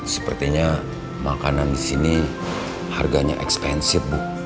sepertinya makanan di sini harganya ekspensif bu